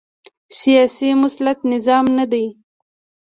سیاسي مسلط نظام نه دی